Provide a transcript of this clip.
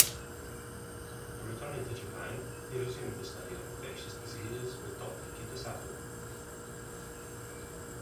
After returning to Japan, he resumed the study of infectious diseases with Doctor Kitasato.